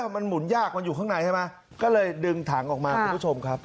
มันหมุนยากมันอยู่ข้างในใช่ไหมก็เลยดึงถังออกมาคุณผู้ชมครับ